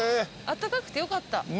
あったかくてよかった。